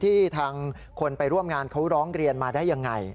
ที่ทางคนไปร่วมงานเขาร้องเรียนมาได้ยังไง